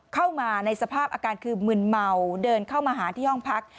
เข้ามาในสภาพอาการคือมึนเมาเดินเข้ามาหาที่ห้องพัก